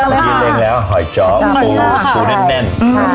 เป็นอีกเด็กแล้วหอตกรูแน่น